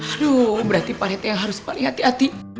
aduh berarti pak rete yang harus paling hati hati